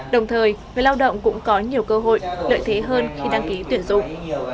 đồng thời người lao động cũng có nhiều cơ hội lợi thế hơn khi đăng ký tuyển dụng